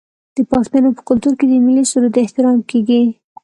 د پښتنو په کلتور کې د ملي سرود احترام کیږي.